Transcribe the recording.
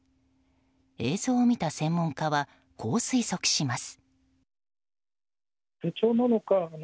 映像を見た専門家はこう推測します。